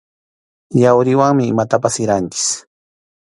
Yawriwanmi imatapas siranchik.